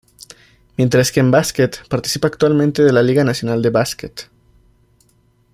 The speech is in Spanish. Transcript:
Mientras que en básquet, participa actualmente de la Liga Nacional de Básquet.